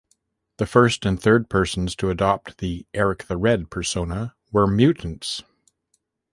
The first and third persons to adopt the "Erik the Red" persona were mutants.